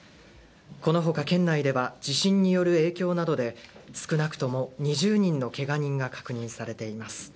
この他、県内では地震による影響などで少なくとも２０人のけが人が確認されています。